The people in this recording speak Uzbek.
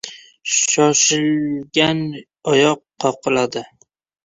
• Shoshilgan oyoq qoqiladi.